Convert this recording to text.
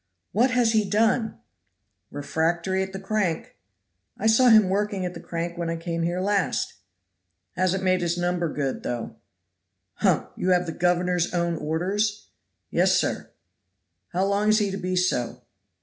"What has he done?" "Refractory at crank." "I saw him working at the crank when I came here last." "Hasn't made his number good, though." "Humph! You have the governor's own orders?" "Yes, sir." "How long is he to be so?"